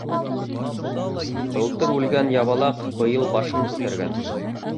Былтыр үлгән ябалаҡ быйыл башын күтәргән.